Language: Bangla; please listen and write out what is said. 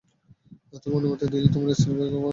তুমি অনুমতি দিলে তোমার স্ত্রীর ভাইকে হত্যা করতে পারি।